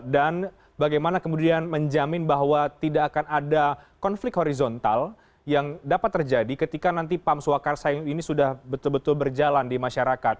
dan bagaimana kemudian menjamin bahwa tidak akan ada konflik horizontal yang dapat terjadi ketika nanti pams uwakar sayang ini sudah betul betul berjalan di masyarakat